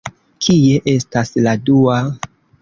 Kie estas la dua?